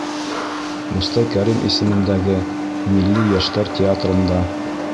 Мостай Кәрим исемендәге Милли йәштәр театрында